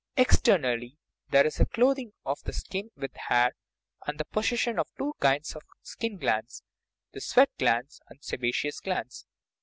Ex ternally, there is the clothing of the skin with hair, and the possession of two kinds of skin glands the sweat glands and the sebaceous glands.